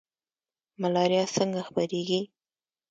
ملاریا څنګه خپریږي؟